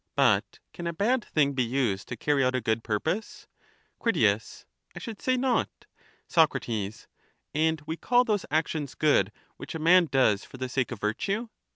But can a bad thing be used to carry out a good purpos Crit I should say not. Soc. And we call those actions good which a man does far the sake of vinue?